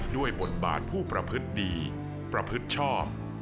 ด้วยบทบาทผู้ประพฤตดีประพฤตชอบ